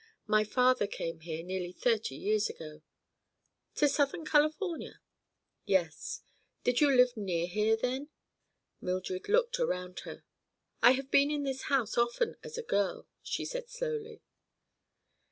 "My father came here nearly thirty years ago." "To Southern California?" "Yes." "Did you live near here, then?" Mildred looked around her. "I have been in this house often, as a girl," she said slowly.